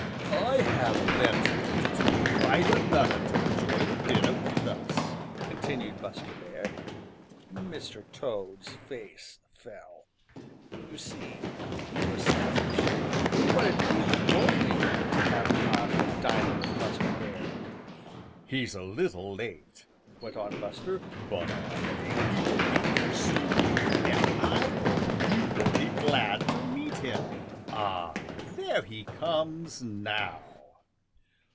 "I have ventured to invite another to enjoy the dinner with us," continued Buster Bear. Mr. Toad's face fell. You see he was selfish. He wanted to be the only one to have the honor of dining with Buster Bear. "He's a little late," went on Buster, "but I think he will be here soon, and I hope you will be glad to meet him. Ah, there he comes now!"